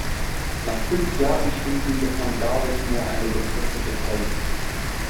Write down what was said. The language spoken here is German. Nach fünf Jahren Studium bekam David nur eine befristete Stelle.